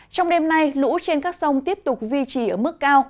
trong đêm nay lũ trên các sông tiếp tục duy trì ở mức cao